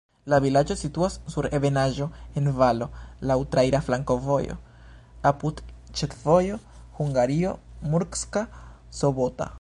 La vilaĝo situas sur ebenaĵo en valo, laŭ traira flankovojo apud ĉefvojo Hungario-Murska Sobota.